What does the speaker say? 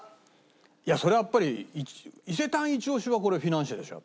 そりゃやっぱり伊勢丹イチオシはフィナンシェでしょ